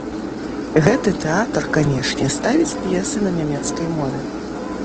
Гэты тэатр, канешне, ставіць п'есы на нямецкай мове.